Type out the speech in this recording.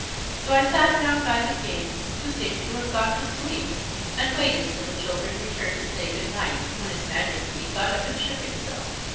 So I sat down by the King, who seemed to have gone to sleep, and waited till the children returned to say good night, when His Majesty got up and shook himself.